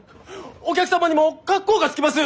お客様にも格好がつきます！